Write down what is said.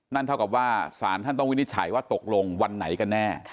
เท่ากับว่าสารท่านต้องวินิจฉัยว่าตกลงวันไหนกันแน่